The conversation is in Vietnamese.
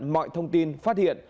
mọi thông tin phát hiện